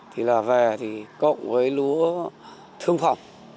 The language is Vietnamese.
thì là về thì cộng với lúa thương pháp